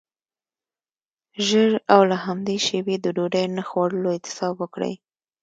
ژر او له همدې شیبې د ډوډۍ نه خوړلو اعتصاب وکړئ.